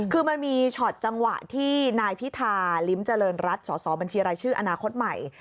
คือมันมีชอบจังหวะที่นายพิธาลิมจริรันดรัฐสบรชอนาคตใหม่